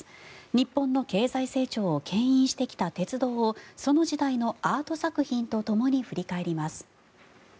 日本の経済成長をけん引してきた鉄道をその時代のアート作品とともに振り返ります。